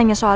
ini ada ya